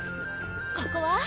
ここは？